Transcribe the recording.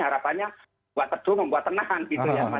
harapannya buat teduh membuat tenang gitu ya mas